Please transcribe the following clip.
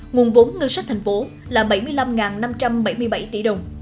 nguồn vốn ngân sách thành phố là bảy mươi năm năm trăm bảy mươi bảy tỷ đồng